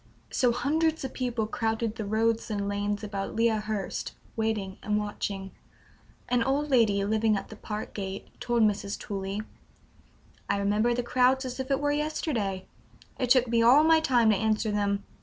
So hundreds of people crowded the roads and lanes about Lea Hurst, waiting and watching. An old lady living at the park gate told Mrs. Tooley: "I remember the crowds as if it was yesterday. It took me all my time to answer them.